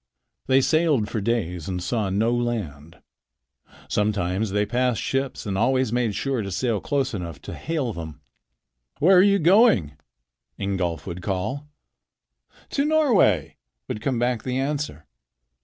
They sailed for days and saw no land. Sometimes they passed ships and always made sure to sail close enough to hail them. "Where are you going?" Ingolf would call. "To Norway," would come back the answer.